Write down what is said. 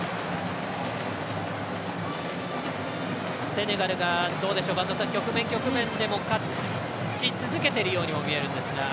セネガルがどうでしょう播戸さん局面、局面で勝ち続けているように見えるんですが。